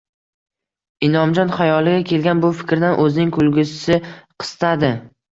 Inomjon hayoliga kelgan bu fikrdan o`zining kulgisi qistadi